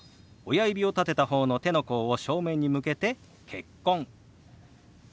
親指を立てた方の手の甲を正面に向けて「結婚」。